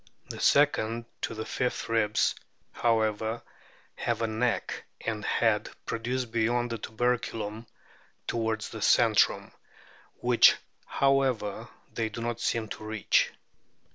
The second to the fifth ribs, however, have a neck and head produced beyond the tuberculum towards the centrum, which, however, they do not seem to reach.